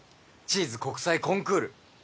チーズ国際コンクール